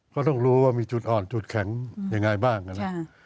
ก็ต้องรู้ว่ามีจุดอ่อนจุดแข็งยังไงบ้างนะครับ